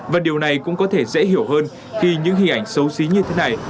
và điều này cũng có thể dễ hiểu hơn khi những hình ảnh xấu xí như thế này